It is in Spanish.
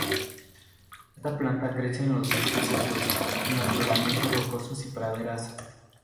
Esta planta crece en los bosques secos, en afloramientos rocosos y praderas.